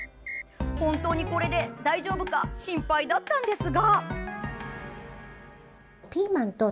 本当にこれで大丈夫か心配だったんですが。